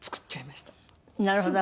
なるほど。